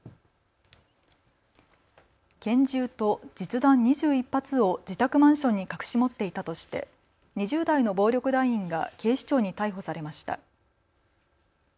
拳銃と実弾２１発を自宅マンションに隠し持っていたとして２０代の暴力団員が警視庁に逮捕されました。